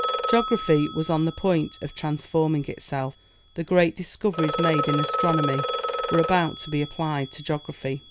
Geography was on the point of transforming itself. The great discoveries made in astronomy were about to be applied to geography.